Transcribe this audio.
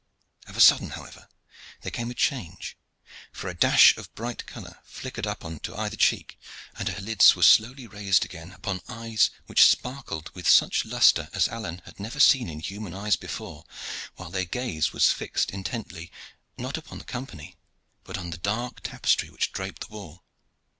Of a sudden, however, there came a change, for a dash of bright color flickered up on to either cheek, and her lids were slowly raised again upon eyes which sparkled with such lustre as Alleyne had never seen in human eyes before, while their gaze was fixed intently, not on the company, but on the dark tapestry which draped the wall.